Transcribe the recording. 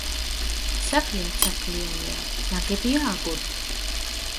სახლი ერთსართულიანია, ნაგებია აგურით.